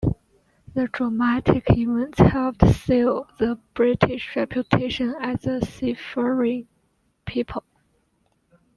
The dramatic events helped seal the British reputation as a seafaring people.